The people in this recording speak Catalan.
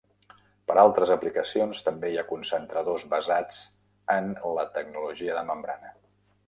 Per a altres aplicacions també hi ha concentradors basats en la tecnologia de membrana.